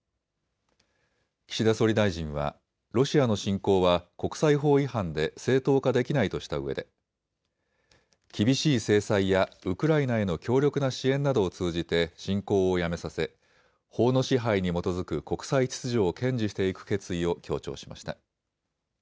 岸田総理大臣はロシアの侵攻は国際法違反で正当化できないとしたうえで厳しい制裁やウクライナへの強力な支援などを通じて侵攻をやめさせ、法の支配に基づく国際秩序を堅持していく決意を強調しました。